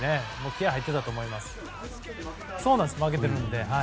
気合入ってたと思います。